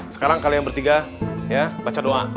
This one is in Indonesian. sekarang kalian bertiga ya baca doa